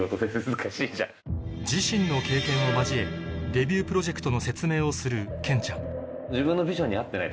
自身の経験を交えデビュープロジェクトの説明をするケンちゃんと思うし。